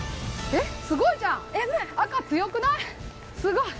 えっすごいじゃん赤強くない？